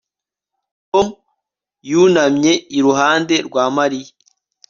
Tom yunamye iruhande rwa Mariya